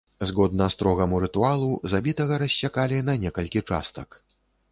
Згодна строгаму рытуалу, забітага рассякалі на некалькі частак.